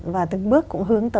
và từng bước cũng hướng tới